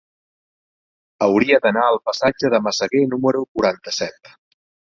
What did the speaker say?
Hauria d'anar al passatge de Massaguer número quaranta-set.